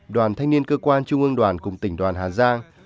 đoàn thanh niên cơ quan trung ương đoàn cùng tỉnh đoàn hà giang